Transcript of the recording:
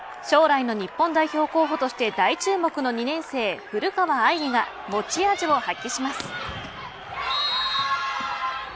将来の日本代表候補として大注目の二年生古川愛梨が持ち味を発揮します。